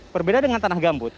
berbeda dengan tanah gambut